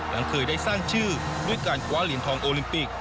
หลังเคยได้สร้างชื่อด้วยการคว้าเหรียญทองโอลิมปิก